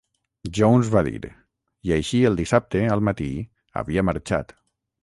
Jones va dir "I així, el dissabte al matí havia marxat".